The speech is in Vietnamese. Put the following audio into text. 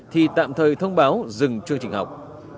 thì tạm thời thông báo dừng chương trình học